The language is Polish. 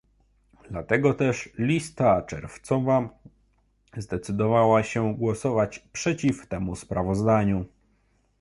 Dlatego też Lista Czerwcowa zdecydowała się głosować przeciw temu sprawozdaniu